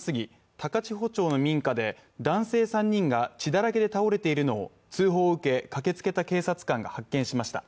高千穂町の民家で男性３人が血だらけで倒れているのを通報を受け駆けつけた警察官が発見しました。